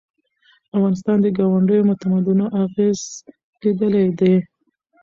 افغانستان د ګاونډیو تمدنونو اغېز لیدلی دی.